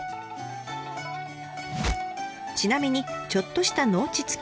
ちなみにちょっとした農地付き。